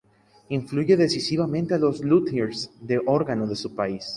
Influye decisivamente a los luthiers de órgano de su país.